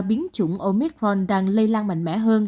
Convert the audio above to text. biến chủng omicron đang lây lan mạnh mẽ hơn